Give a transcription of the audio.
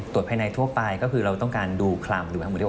ตรวจภายในทั่วไปก็คือเราต้องการดูคลำ